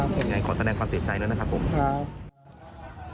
ยังไงขอแสดงความตื่นใจแล้วนะครับผมค่ะค่ะ